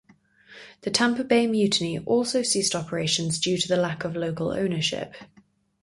The Tampa Bay Mutiny also ceased operations due to the lack of local ownership.